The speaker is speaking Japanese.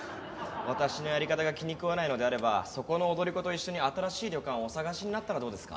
私のやり方が気に食わないのであればそこの踊り子と一緒に新しい旅館をお探しになったらどうですか？